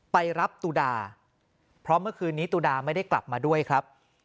ไปรับตุดาเพราะเมื่อคืนนี้ตุดาไม่ได้กลับมาด้วยครับ